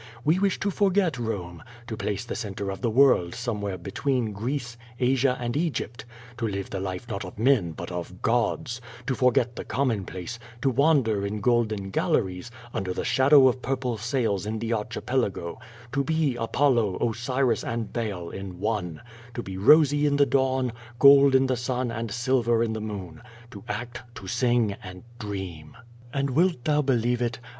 We wish to forget Rome, to place the centre of the world somewhere between Greece, Asia and Egypt, to live the life not of men, but of gods, to forget the commonplace, to wan der in golden galleries, under the shadow of purple sails in the Archipelago, to be Apollo, Osiris, and Baal in one, to be rosy in the dawn, gold in the sun and silver in the moon, to act, to sing and dream. And wilt thou believe it?